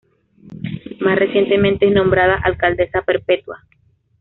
Más recientemente es nombrada Alcaldesa Perpetúa.